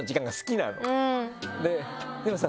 でもさ